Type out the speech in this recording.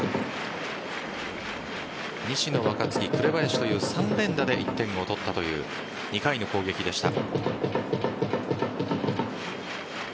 西野、若月、紅林という３連打で１点を取ったという２回の攻撃でした。